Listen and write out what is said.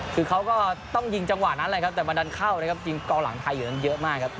คือเขาก็ต้องยิงจังหวะนั้นแหละครับแต่มาดันเข้านะครับยิงกองหลังไทยอยู่นั้นเยอะมากครับ